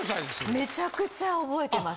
めちゃくちゃ覚えてます。